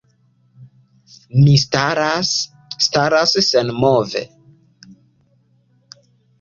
Mi staras, staras senmove.